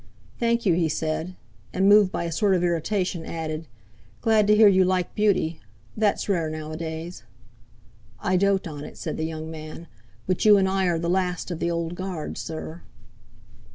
"Thank you," he said; and moved by a sort of irritation, added: "Glad to hear you like beauty; that's rare, nowadays." "I dote on it," said the young man; "but you and I are the last of the old guard, sir."